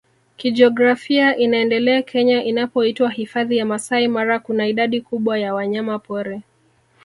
kijiografia inaendele Kenya inapoitwa Hifadhi ya Masai Mara Kuna idadi kubwa ya wanyamapori